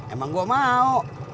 emang gua mau